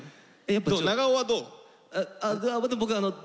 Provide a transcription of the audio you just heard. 長尾はどう？